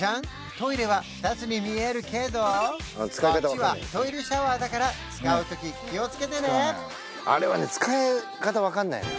トイレは２つに見えるけどこっちはトイレシャワーだから使うとき気をつけてねあれはね使い方分かんないのよ